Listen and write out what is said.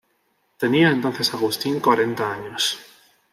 Tenía entonces Agustín cuarenta años.